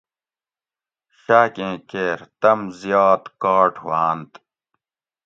شاٞکیں کیر تٞم زیات کاٹ ہواٞنت